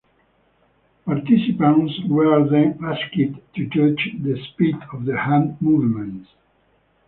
Participants were then asked to judge the speed of the hand movements.